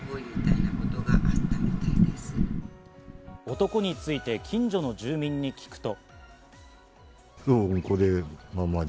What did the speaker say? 男について近所の住人に聞くと。